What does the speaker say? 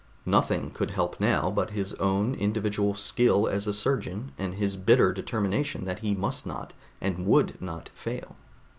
Nothing could help now but his own individual skill as a surgeon, and his bitter determination that he must not and would not fail.